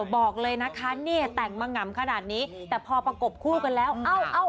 บอกเลยนะคะเนี่ยแต่งมาหง่ำขนาดนี้แต่พอประกบคู่กันแล้วเอ้า